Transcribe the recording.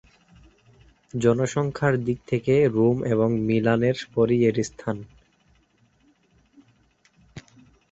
জনসংখ্যার দিক থেকে রোম এবং মিলানের পরেই এর স্থান।